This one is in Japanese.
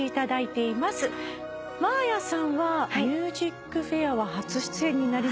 真彩さんは『ＭＵＳＩＣＦＡＩＲ』は初出演になりますね。